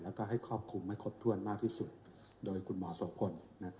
แล้วก็ให้ครอบคลุมให้ครบถ้วนมากที่สุดโดยคุณหมอโสพล